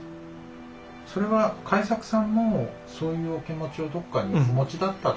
それは開作さんもそういうお気持ちをどこかにお持ちだったと？